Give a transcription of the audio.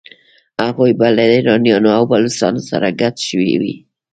هغوی به له ایرانیانو او بلوڅانو سره ګډ شوي وي.